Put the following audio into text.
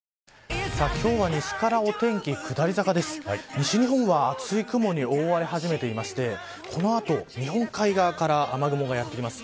西日本は厚い雲に覆われ始めていましてこの後、日本海側から雨雲がやってきます。